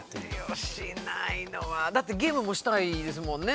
しないのはだってゲームもしたいですもんね